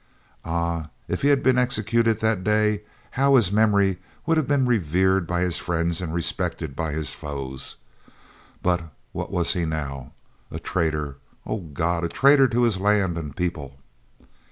Ah, if he had been executed that day, how his memory would have been revered by his friends and respected by his foes! But what was he now? a traitor, oh God! a traitor to his land and people!